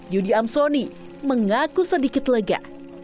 yudi amsoni mengaku sedikit lega